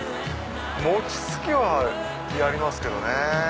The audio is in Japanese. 餅つきはやりますけどね。